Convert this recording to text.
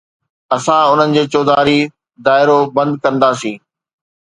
اسان انهن جي چوڌاري دائرو بند ڪنداسين.